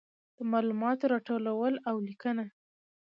د معلوماتو راټولول او لیکنه.